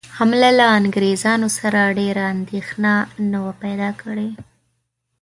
حمله له انګرېزانو سره ډېره اندېښنه نه وه پیدا کړې.